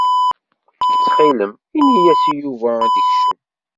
Ttxil-m, ini-yas i Yuba ad d-ikcem.